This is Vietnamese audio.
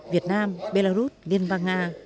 việt nam belarus liên bang nga